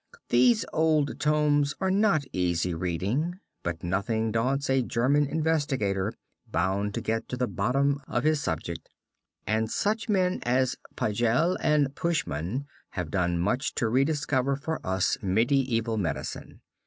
These old tomes are not easy reading, but nothing daunts a German investigator bound to get to the bottom of his subject, and such men as Pagel and Puschmann have done much to rediscover for us medieval medicine.